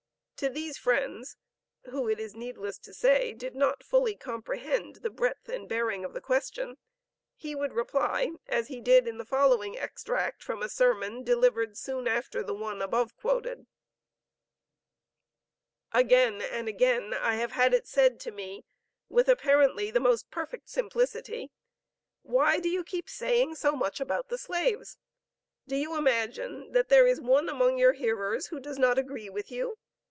To these friends, who, it is needless to say, did not fully comprehend the breadth and bearing of the question, he would reply as he did in the following extract from a sermon delivered soon after the one above quoted: "Again and again, I have had it said to me, with apparently the most perfect simplicity, 'Why do you keep saying so much about the slaves? Do you imagine that there is one among your hearers who does not agree with you?